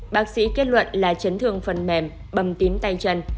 bác sĩ kết luận là chấn thương phần mềm bầm tím tay chân